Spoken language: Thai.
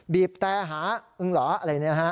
บีบแต่หา่งเหรออะไรอย่างงี้นะฮะ